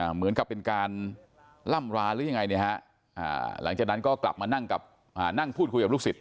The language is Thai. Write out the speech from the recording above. เหมือนกับเป็นการล่ำราหรือยังไงหลังจากนั้นก็กลับมานั่งพูดคุยกับลูกศิษย